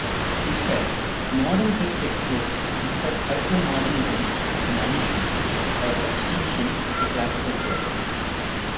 Instead, modern chess textbooks describe hypermodernism as an addition, or extension, to classical theory.